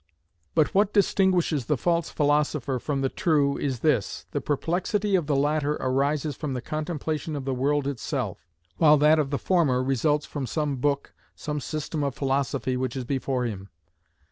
But what distinguishes the false philosopher from the true is this: the perplexity of the latter arises from the contemplation of the world itself, while that of the former results from some book, some system of philosophy which is before him.